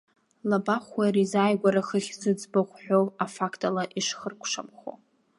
Лабахәуеи реизааигәара хыхь зыӡбахә ҳәоу афакт ала ишхыркәшамхо.